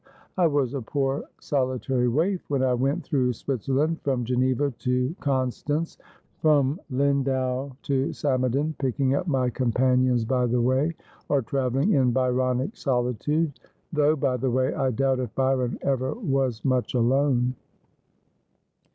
I was a poor solitary waif when I went through Switzerland, from Geneva to Constance, from Lindau to Samaden, picking up my companions by the way, or travel ling in Byronic solitude — though, by the way, I doubt if Byron ever was much alone.